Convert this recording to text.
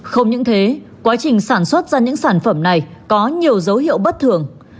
không những thế quá trình sản xuất ra những sản phẩm này có nhiều dấu hiệu bất thường